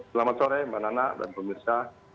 selamat sore mbak nana dan pemirsa